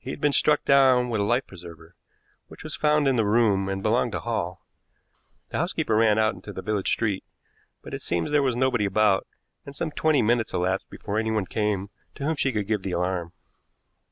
He had been struck down with a life preserver, which was found in the room and belonged to Hall. The housekeeper ran out into the village street, but it seems there was nobody about, and some twenty minutes elapsed before anyone came to whom she could give the alarm.